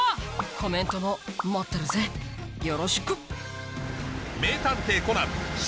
コメントも待ってるぜよろしく！